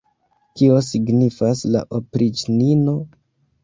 Kio signifas la opriĉnino?